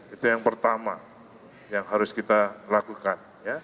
itu yang pertama yang harus kita lakukan